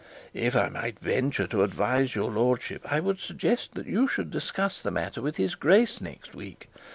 If I might venture to advise your lordship, I would suggest that you should discuss the matter with his grace next week.